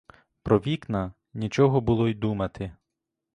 Про вікна нічого було й думати.